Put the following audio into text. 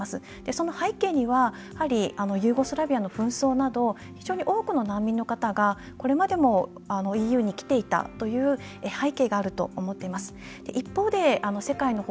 その背景にはユーゴスラビアの紛争など非常に多くの方々がこれまでもＥＵにきていたという背景があると思います。